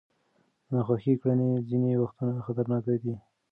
ناخوښه کړنې ځینې وختونه خطرناک دي.